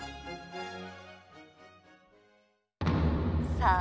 さあ